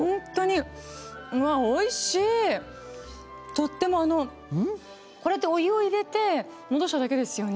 とってもあのこれってお湯を入れて戻しただけですよね？